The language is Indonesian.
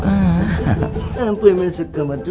apa emang masuk kamar dulu